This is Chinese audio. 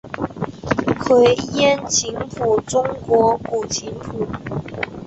愧庵琴谱中国古琴谱。